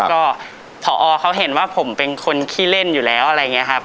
ก็พอเขาเห็นว่าผมเป็นคนขี้เล่นอยู่แล้วอะไรอย่างนี้ครับ